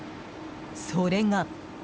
それが。